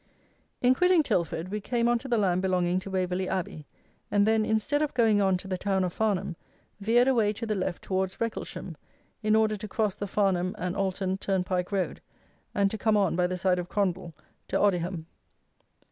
In quitting Tilford we came on to the land belonging to Waverly Abbey, and then, instead of going on to the town of Farnham, veered away to the left towards Wrecklesham, in order to cross the Farnham and Alton turnpike road, and to come on by the side of Crondall to Odiham.